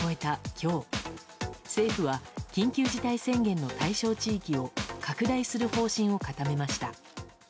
今日政府は緊急事態宣言の対象地域を拡大する方針を固めました。